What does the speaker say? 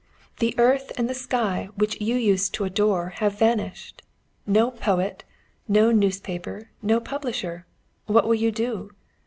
The earth and the sky which you used to adore have vanished. No poet, no newspaper, no publisher: what will you do?